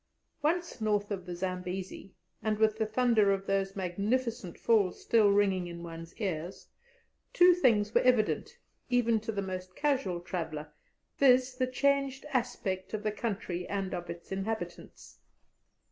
Once north of the Zambesi, and with the thunder of those magnificent Falls still ringing in one's ears, two things were evident even to the most casual traveller viz., the changed aspect of the country and of its inhabitants.